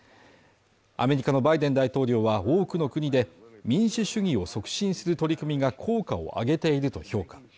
アメリカのバイデン大統領は多くの国で民主主義を促進する取り組みが効果を上げていると評価。